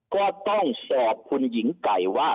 ก็ต้องสอบคุณหญิงไก่ว่า